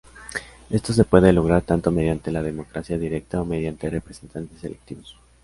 Esto se puede lograr tanto mediante la democracia directa o mediante representantes electivos.